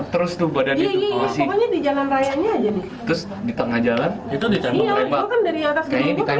terus di perancangan itu narratives pun